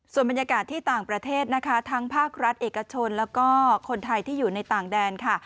ส่วนบรรยากาศที่ต่างประเทศนะคะทั้งภาครัฐเอกชนแล้วก็คนไทยที่อยู่ในต่างแดนค่ะ